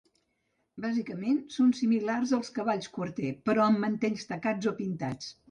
Bàsicament, són similars als cavalls Quarter, però amb mantells tacats o pintats.